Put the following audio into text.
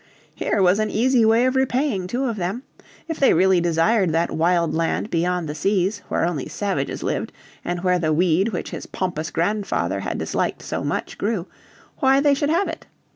Here was an easy way of repaying two of them. If they really desired that wild land beyond the seas, where only savages lived, and where the weed which his pompous grandfather had disliked so much grew, why they should have it!